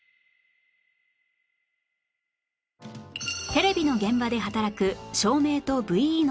テレビの現場で働く照明と ＶＥ の仕事